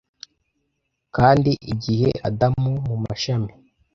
kandi igihe adamu mumashami